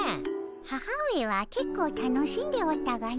母上はけっこう楽しんでおったがの。